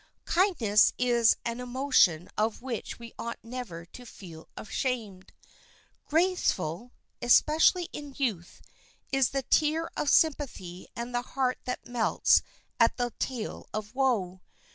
Kindness is an emotion of which we ought never to feel ashamed. Graceful, especially in youth, is the tear of sympathy and the heart that melts at the tale of woe.